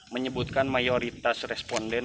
menyebutkan mayoritas responden